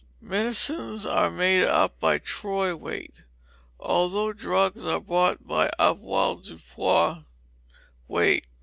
Medicines are made up by troy weight, although drugs are bought by avoirdupois weight.